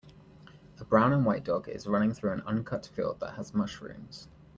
A brown and white dog is running through an uncut field that has mushrooms.